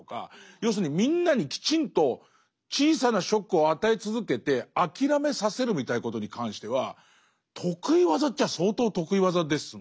要するにみんなにきちんと小さなショックを与え続けて諦めさせるみたいなことに関しては得意技っちゃ相当得意技ですもんね。